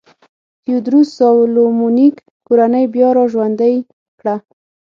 تیوودروس سالومونیک کورنۍ بیا را ژوندی کړه.